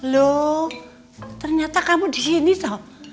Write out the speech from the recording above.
lo ternyata kamu disini tau